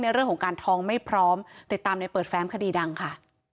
เรื่องของการท้องไม่พร้อมติดตามในเปิดแฟ้มคดีดังค่ะ